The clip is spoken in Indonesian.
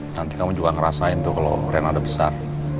nanti kamu juga ngerasain tuh kalau ren ada besar